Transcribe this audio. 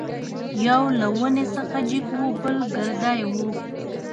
یو له ونې څخه جګ وو بل ګردی وو.